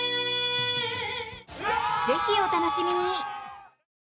ぜひお楽しみに！